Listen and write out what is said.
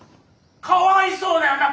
「かわいそう」だよな？